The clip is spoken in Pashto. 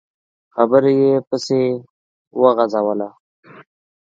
خبره يې پسې وغځوله.